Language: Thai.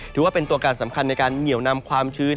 ถือว่าเป็นตัวการสำคัญในการเหนียวนำความชื้น